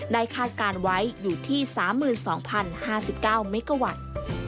คาดการณ์ไว้อยู่ที่๓๒๐๕๙เมกาวัตต์